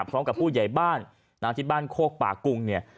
พร้อมกับผู้ใหญ่บ้านที่บ้านโคกป่ากุงเนี่ย